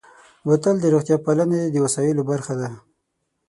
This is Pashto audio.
بوتل د روغتیا پالنې د وسایلو برخه ده.